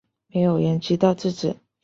没有人知道自己